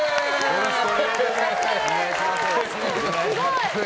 よろしくお願いします。